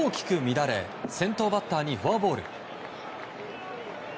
乱れ先頭バッターにフォアボール。